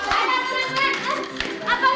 amur amur amur amur